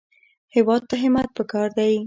هېواد ته همت پکار دی